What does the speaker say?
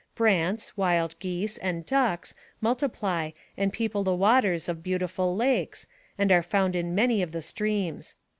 Brants, wild geese, and ducks multiply and people the waters of beautiful lakes, and are found in many of the streams.